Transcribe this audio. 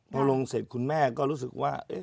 พอลงเสร็จคุณแม่ก็รู้สึกว่า